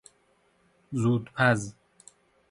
زودپز